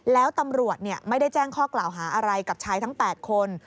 แล้วตำรวจไม่ได้แจ้งข้อกล่าวหาอะไรกับชายทั้ง๘คน